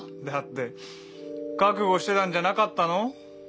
だって覚悟してたんじゃなかったの？